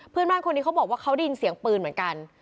เพื่อนบ้านคนนี้เขาบอกว่าเขาได้ยินเสียงปืนเหมือนกัน